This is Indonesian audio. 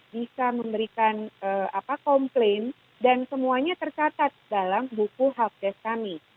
bisa memberikan komplain dan semuanya tercatat dalam buku hardcast kami